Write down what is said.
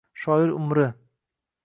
Shoir umri